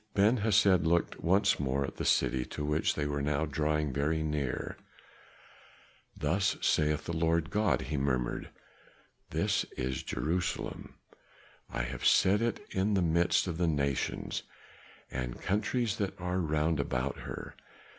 Ben Hesed looked once more at the city to which they were now drawing very near. "Thus saith the Lord God," he murmured, "This is Jerusalem; I have set it in the midst of the nations and countries that are round about her.